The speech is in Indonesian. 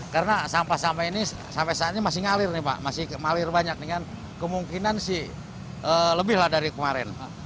karena sampah sampah ini sampai saat ini masih ngalir banyak dengan kemungkinan lebih dari kemarin